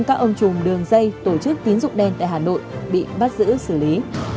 các ông chùm đường dây tổ chức tín dụng đen tại hà nội bị bắt giữ xử lý